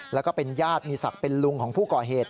แล้วก็เป็นญาติมีศักดิ์เป็นลุงของผู้ก่อเหตุ